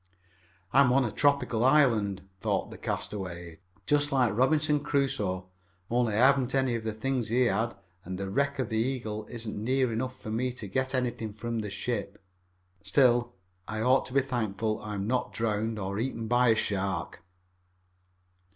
"I'm on a tropical island," thought the castaway. "Just like Robinson Crusoe, only I haven't any of the things he had and the wreck of the Eagle isn't near enough for me to get anything from the ship. Still I ought to be thankful I'm not drowned or eaten by a shark."